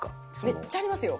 めっちゃありますよ。